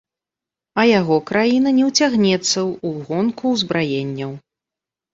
А яго краіна не ўцягнецца ў гонку ўзбраенняў.